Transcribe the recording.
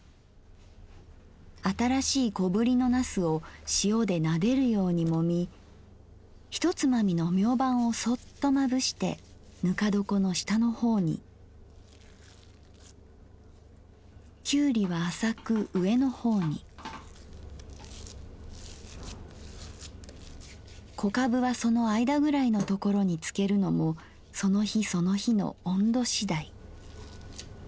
新しいこぶりの茄子を塩で撫でるように揉みひとつまみのみょうばんをそっとまぶしてぬか床の下の方にきゅうりは浅く上の方に小かぶはその間ぐらいのところに漬けるのもその日その日の温度次第」。